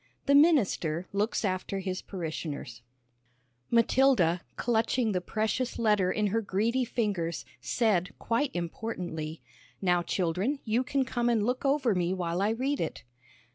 XV THE MINISTER LOOKS AFTER HIS PARISHIONERS Matilda, clutching the precious letter in her greedy fingers, said quite importantly, "Now, children, you can come and look over me while I read it."